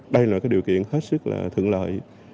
đây là điều kiện hết sức thượng lợi